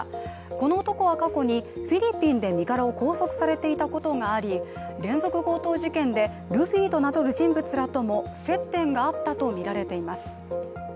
この男は過去にフィリピンで身柄を拘束されていたことがあり連続強盗事件でルフィと名乗る人物らとも接点があったとみられています。